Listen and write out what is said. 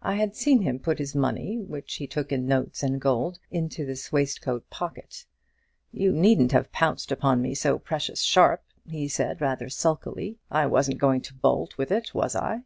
I had seen him put his money, which he took in notes and gold, into this waistcoat pocket. 'You needn't have pounced upon me so precious sharp,' he said, rather sulkily; 'I wasn't going to bolt with it, was I?'